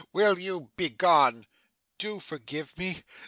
Will you begone?' 'Do forgive me.